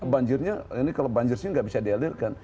banjirnya ini kalau banjir sini nggak bisa dialirkan